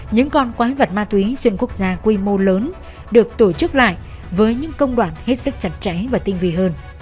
những con quái vật ma túy xuyên quốc gia quy mô lớn được tổ chức lại với những công đoạn hết sức chặt chẽ và tinh vị hơn